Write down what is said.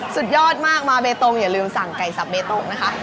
สุดยอดมากมาเบตงอย่าลืมสั่งไก่สับเบตงนะคะ